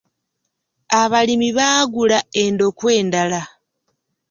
Abalimi baagula endokwa endala.